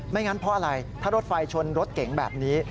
งั้นเพราะอะไรถ้ารถไฟชนรถเก๋งแบบนี้